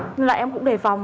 nhưng mà em cũng để phòng